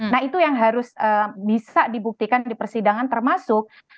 nah itu yang harus bisa dibuktikan di persidangan termasuk